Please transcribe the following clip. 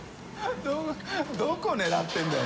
どこ狙ってるんだよ。